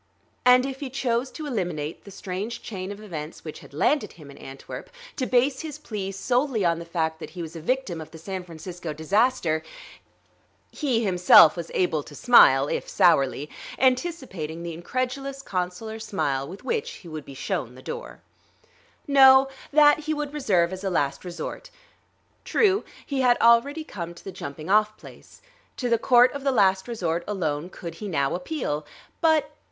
And if he chose to eliminate the strange chain of events which had landed him in Antwerp, to base his plea solely on the fact that he was a victim of the San Francisco disaster ... he himself was able to smile, if sourly, anticipating the incredulous consular smile with which he would be shown the door. No; that he would reserve as a last resort. True, he had already come to the Jumping off Place; to the Court of the Last Resort alone could he now appeal. But